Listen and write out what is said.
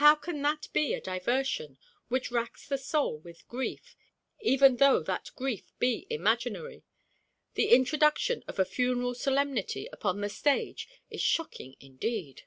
How can that be a diversion which racks the soul with grief, even though that grief be imaginary? The introduction of a funeral solemnity upon the stage is shocking indeed!